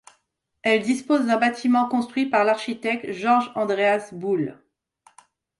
Elle dispose d'un bâtiment construit par l'architecte Georg Andreas Bull.